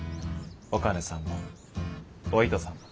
お兼さんもお糸さんも。